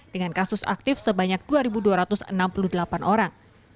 dengan kasus aktif sebanyak dua dua ratus enam puluh delapan orang